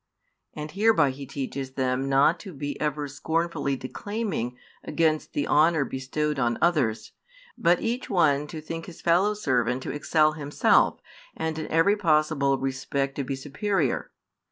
And hereby He teaches them not to be ever scornfully declaiming against the honour bestowed on others, but each one to think his fellow servant to excel himself and in every possible respect to be superior.